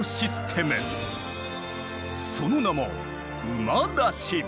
その名も「馬出し」。